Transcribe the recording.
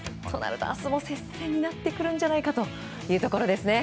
明日も接戦になってくるんじゃないかなというところですね。